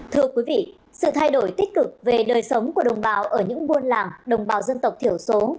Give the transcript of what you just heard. thưa quý vị sự thay đổi tích cực về đời sống của đồng bào ở những buôn làng đồng bào dân tộc thiểu số